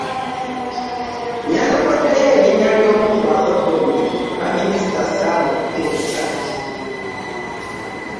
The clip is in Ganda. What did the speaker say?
Yanokoddeyo erinnya ly'omu ku bakoddomi ba minisita Sam Kuteesa